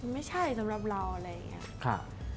ไม่ใช่สำหรับเราอะไรอย่างนี้